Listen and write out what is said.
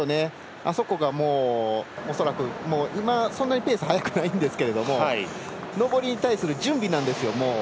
あそこが恐らく今、そんなにペースは速くないんですけど上りに対する準備なんですよ。